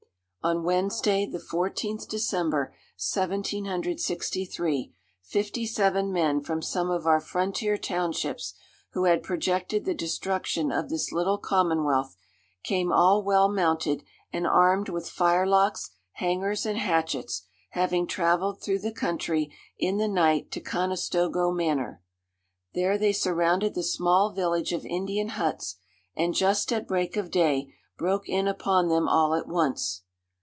On Wednesday, the 14th December, 1763, fifty seven men from some of our frontier townships, who had projected the destruction of this little commonwealth, came all well mounted, and armed with firelocks, hangers, and hatchets, having travelled through the country in the night to Conestogoe manor. There they surrounded the small village of Indian huts, and just at break of day broke in upon them all at once.